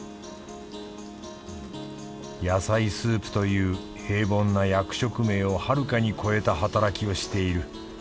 野菜スープという平凡な役職名をはるかに超えた働きをしている。